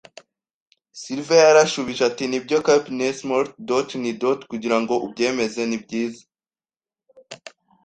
Silver yarashubije ati: "Nibyo, Cap'n Smollett." “Dooty ni dooty, kugirango ubyemeze. Nibyiza